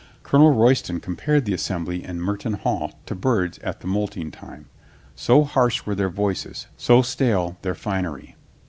Colonel Royston compared the assembly in Merton hall to birds at the moulting time. So harsh were their voices, so stale their finery.